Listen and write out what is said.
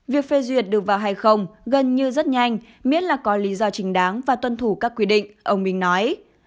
việc phê duyệt được vào hay không gần như rất nhanh miết là có lý do chính đáng và tuân thủ các quy định ông bình nói